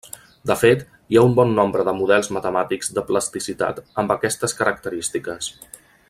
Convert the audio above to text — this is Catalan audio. De fet, hi ha un bon nombre de models matemàtics de plasticitat amb aquestes característiques.